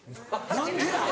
何でや？